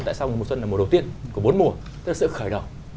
tại sao mùa xuân là mùa đầu tiên của bốn mùa tức là sự khởi đầu